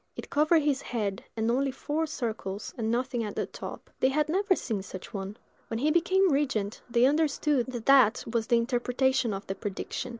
It covered his head, had only four circles, and nothing at the top. They had never seen such a one. When he became regent, they understood that that was the interpretation of the prediction.